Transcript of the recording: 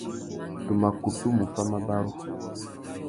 Tu mà kutu mù fá mabarú.